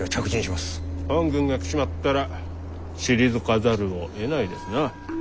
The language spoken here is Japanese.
本軍が来ちまったら退かざるをえないですな。